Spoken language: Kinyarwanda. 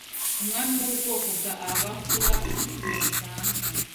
umwami w’ubwoko bwa Abafura mu Bufaransa